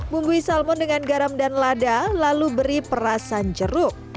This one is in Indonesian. bumbui salmon dengan garam dan lada lalu beri perasan jeruk